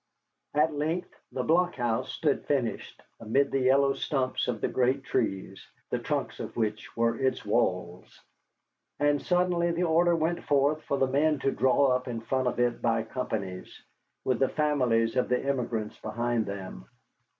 At length the blockhouse stood finished amid the yellow stumps of the great trees, the trunks of which were in its walls. And suddenly the order went forth for the men to draw up in front of it by companies, with the families of the emigrants behind them.